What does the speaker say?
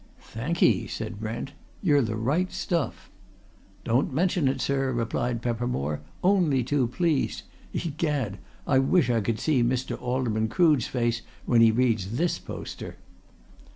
"Thank 'ee!" said Brent. "You're the right stuff." "Don't mention it, sir," replied Peppermore. "Only too pleased. Egad! I wish I could see Mr. Alderman Crood's face when he reads this poster!"